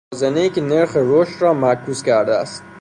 موازنه ای که نرخ رشد را معکوس کرده است